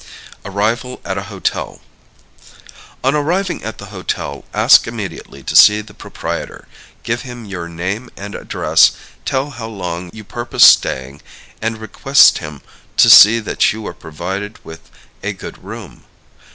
Arrival at a Hotel. On arriving at the hotel, ask immediately to see the proprietor, give him your name and address, tell how long you purpose staying, and request him to see that you are provided with a good room.